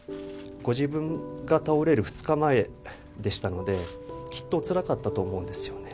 ご自分が倒れる２日前でしたので、きっとつらかったと思うんですよね。